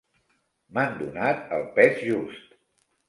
M'han donat el pes just.